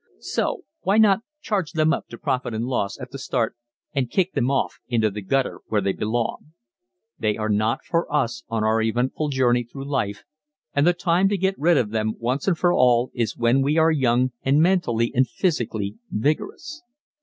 So, why not charge them up to "profit and loss" at the start and kick them off into the gutter where they belong? They are not for us on our eventful journey through life, and the time to get rid of them once and for all is when we are young, and mentally and physically vigorous.